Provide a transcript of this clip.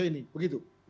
itu ini begitu